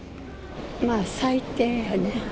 まあ、最低やね。